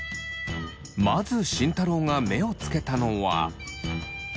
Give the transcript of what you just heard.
まず慎太郎が目をつけたのは。